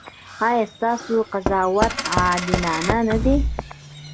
ایا ستاسو قضاوت عادلانه نه دی؟